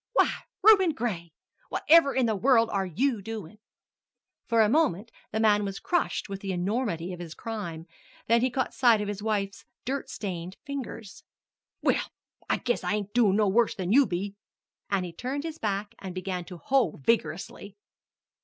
"Why, Reuben Gray! Whatever in the world are you doing?" For a moment the man was crushed with the enormity of his crime; then he caught sight of his wife's dirt stained fingers. "Well, I guess I ain't doin' no worse than you be!" And he turned his back and began to hoe vigorously.